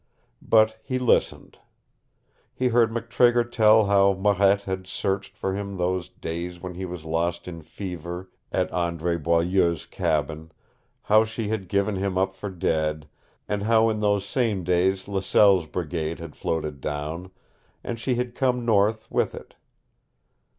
But he listened. He heard McTrigger tell how Marette had searched for him those days when he was lost in fever at Andre Boileau's cabin, how she had given him up for dead, and how in those same days Laselle's brigade had floated down, and she had come north with it.